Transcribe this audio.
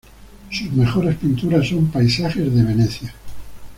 Sus mejores pinturas son paisajes de Venecia.